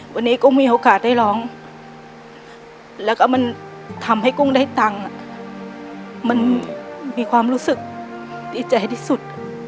วันนี้กุ้งมีโอกาสได้ร้องแล้วก็มันทำให้กุ้งได้ตังค์มันมีความรู้สึกดีใจที่สุด